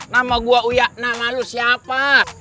nama gua uyak nama lu siapa